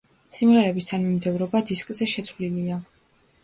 სიმღერების თანმიმდევრობა დისკზე შეცვლილია.